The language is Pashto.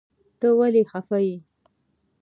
ته ولي خفه يي